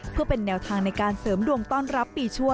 เพื่อเป็นแนวทางในการเสริมดวงต้อนรับปีชั่ว